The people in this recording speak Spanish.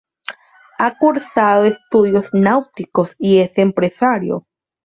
Ha cursado estudios náuticos y es empresario.